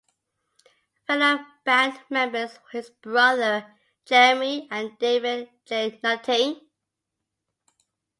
Fellow band members were his brother, Jeremy, and David J Nutting.